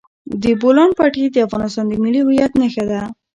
د بولان پټي د افغانستان د ملي هویت نښه ده.